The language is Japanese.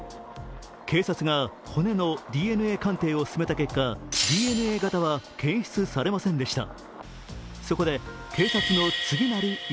警察が骨のＤＮＡ鑑定を進めた結果、ＤＮＡ型は検出されませんでした。